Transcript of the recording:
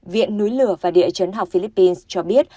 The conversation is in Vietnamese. viện núi lửa và địa chấn học philippines cho biết